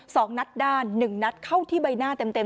สองนัดด้านหนึ่งนัดเข้าที่ใบหน้าเต็มเต็ม